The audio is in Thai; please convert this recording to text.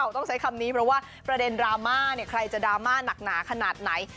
ต้องใช้คำนี้เพราะว่าประเด็นดราม่าเนี่ยใครจะดราม่าหนักหนาขนาดไหน